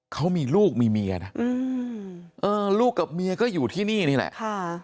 เขามีลูกมีเมียนะอืมเออลูกกับเมียก็อยู่ที่นี่นี่แหละค่ะ